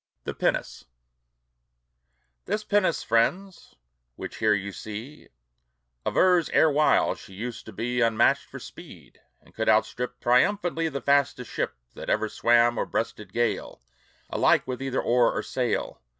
THE PINNACE This pinnace, friends, which here you see, Avers erewhile she used to be Unmatched for speed, and could outstrip Triumphantly the fastest ship That ever swam, or breasted gale, Alike with either oar or sail.